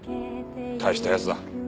大した奴だ。